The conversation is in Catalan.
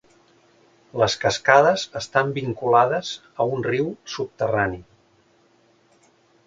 Les cascades estan vinculades a un riu subterrani.